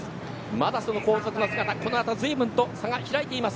まだ後続の姿この後ずいぶんと差が開いています。